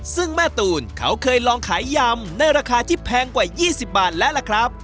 ซึ่งแม่ตูนเขาเคยลองขายยำในราคาที่แพงกว่า๒๐บาทแล้วล่ะครับ